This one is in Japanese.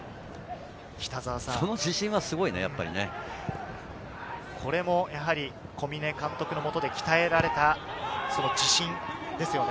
その自信はやっぱりすご小嶺監督のもとで鍛えられた自信ですね。